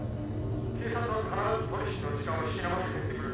「警察は必ず取引の時間を引き延ばせと言ってくる」